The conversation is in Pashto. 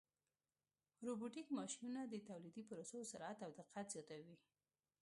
روبوټیک ماشینونه د تولیدي پروسو سرعت او دقت زیاتوي.